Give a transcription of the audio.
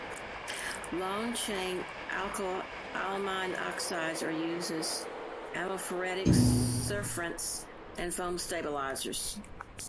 Long-chain alkyl amine oxides are used as amphoteric surfactants and foam stabilizers.